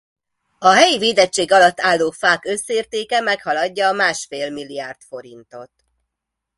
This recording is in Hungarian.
A helyi védettség alatt álló fák összértéke meghaladja a másfél milliárd forintot.